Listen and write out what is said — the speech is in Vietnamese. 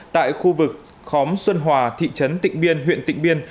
tại khu vực khóm xuân hòa thị trấn tịnh biên huyện tịnh biên